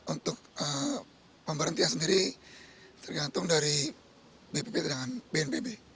untuk pemberhentian sendiri tergantung dari bpp dengan bnbb